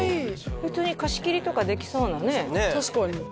普通に貸し切りとかできそうなねえ